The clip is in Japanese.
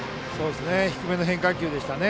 低めの変化球でしたね。